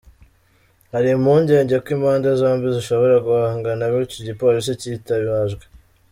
Hari impungenge ko impande zombi zishobora guhangana, bityo igipolisi cyitabajwe.